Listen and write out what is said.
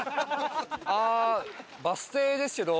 ああーバス停ですけど。